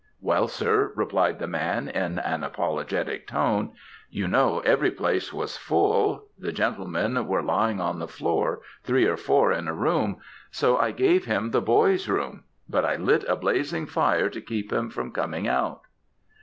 "'Well, Sir,' replied the man, in an apologetic tone,' 'you know every place was full the gentlemen were lying on the floor, three or four in a room so I gave him the Boy's Room; but I lit a blazing fire to keep him from coming out.'